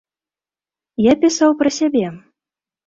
Я пісаў пра сябе.